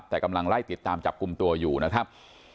แต่กำลังไล่ติดตามจับกลุ่มตัวอยู่นะครับ